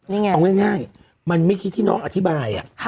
เอาง่ายมันไม่คิดที่น้องอธิบายอะ